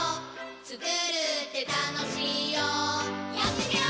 つくるってたのしいよやってみよー！